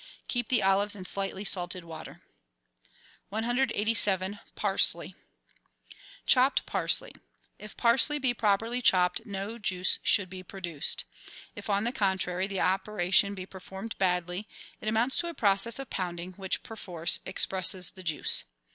Keep the olives in slightly salted water. 187— PARSLEY Chopped Parsley. — If parsley be properly chopped, no juice should be produced. If, on the contrary, the operation be per formed badly, it amounts to a process of pounding which, per force, expresses the juice.